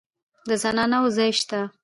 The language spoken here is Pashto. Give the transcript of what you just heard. د زنانه وو ځای شته.